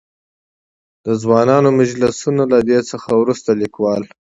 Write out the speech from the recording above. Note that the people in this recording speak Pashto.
د ځوانانو مجلسونه؛ له دې څخه ورورسته ليکوال.